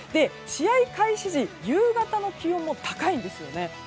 試合開始時、夕方の気温も高いんですよね。